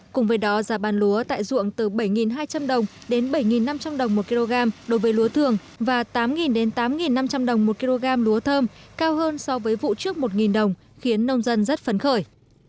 cùng với đó giá bán lúa tại ruộng từ bảy hai trăm linh đồng đến bảy năm trăm linh đồng một kg đối với lúa thường và tám tám năm trăm linh đồng một kg lúa thơm cao hơn so với vụ trước một đồng khiến nông dân rất phấn khởi